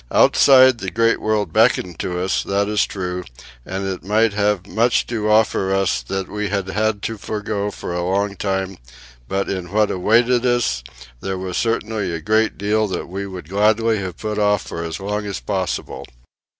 Outside the great world beckoned to us, that is true; and it might have much to offer us that we had had to forego for a long time; but in what awaited us there was certainly a great deal that we would gladly have put off for as long as possible.